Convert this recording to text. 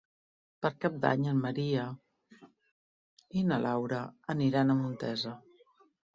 Per Cap d'Any en Maria i na Laura aniran a Montesa.